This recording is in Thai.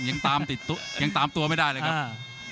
ยังตามติดตัวยังตามตัวไม่ได้เลยครับ